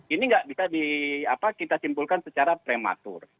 ini nggak bisa kita simpulkan secara prematur